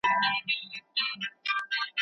ده د غريبانو ملاتړ د مسووليت برخه ګڼله.